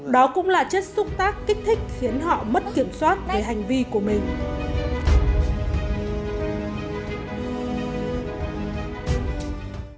đó cũng là chất xúc tác kích thích khiến họ mất kiểm soát về hành vi của mình